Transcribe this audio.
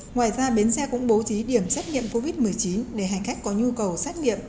ngoài ra bến xe cũng bố trí điểm xét nghiệm covid một mươi chín để hành khách có nhu cầu xét nghiệm